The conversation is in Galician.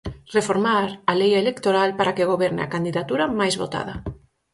Reformar a lei electoral para que goberne a candidatura máis votada.